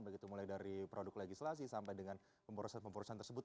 begitu mulai dari produk legislasi sampai dengan pemborosan pemborosan tersebut